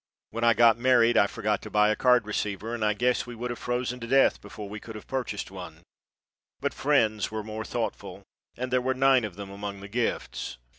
When I got married I forgot to buy a card receiver, and I guess we would have frozen to death before we could have purchased one, but friends were more thoughtful, and there were nine of them among the gifts.